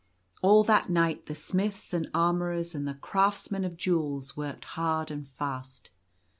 * All that night the smiths and armourers and the crafts men of jewels worked hard and fast.